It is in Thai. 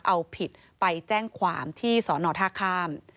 เอาผิดไปแจ้งความที่สอนอท่าข้าม